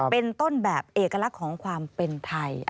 เป็นต้นแบบเอกลักษณ์ของความเป็นไทย